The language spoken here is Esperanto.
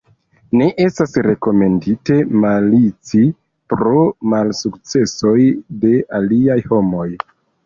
Ne estas rekomendite malici pro malsukcesoj de aliaj homoj.